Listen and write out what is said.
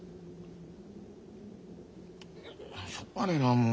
しょうがねえなもう。